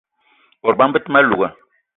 Bot bama be te ma louga